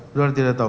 sudah tidak tahu